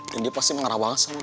dan dia pasti ngerawas sama gue